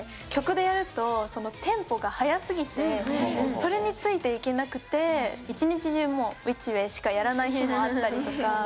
曲でやるとテンポが速すぎてそれについていけなくて１日中もうウィッチウェイしかやらない日もあったりとか。